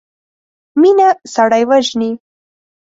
مينه سړی وژني.